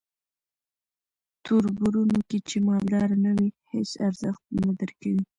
توربرونو کې چې مالداره نه وې هیس ارزښت نه درکوي.